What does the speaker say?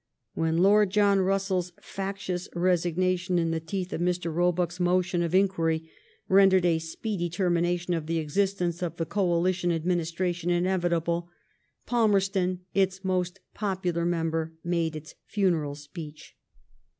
When Lord John Russell's factious resignation, in the teeth of Mr; Roebuck's motion of inquiry, rendered a speedy termination of the existence of the Coalition Administra don inevitable, Palmerston, its most popular memberi made its funeral speech.